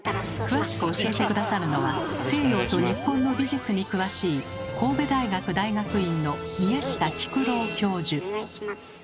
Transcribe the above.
詳しく教えて下さるのは西洋と日本の美術に詳しい皆さん